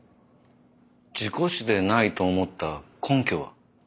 事故死でないと思った根拠は？